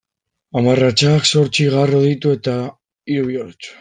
Hamarratzak zortzi garro ditu eta hiru bihotz.